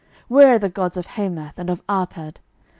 12:018:034 Where are the gods of Hamath, and of Arpad?